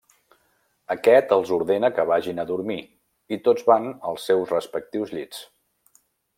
Aquest els ordena que vagin a dormir i tots van als seus respectius llits.